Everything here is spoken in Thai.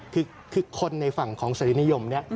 คือคนในฝั่งของเสรีนิยม